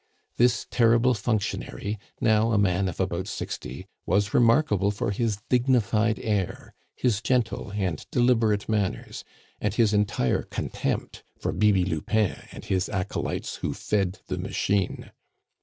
This terrible functionary, now a man of about sixty, was remarkable for his dignified air, his gentle and deliberate manners, and his entire contempt for Bibi Lupin and his acolytes who fed the machine.